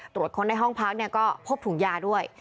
ตรวจค้นในห้องพักก็พบถุงยาด้วย